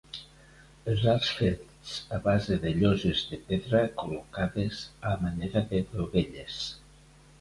Els arcs fets a base de lloses de pedra col·locades a manera de dovelles.